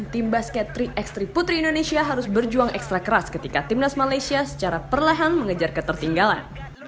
tim basket tiga x tiga putri indonesia harus berjuang ekstra keras ketika timnas malaysia secara perlahan mengejar ketertinggalan